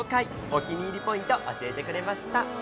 お気に入りポイント、教えてくれました。